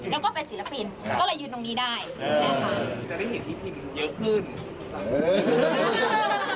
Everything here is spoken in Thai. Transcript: แล้วก็เป็นศิลปินก็เลยยืนตรงนี้ได้ฮะ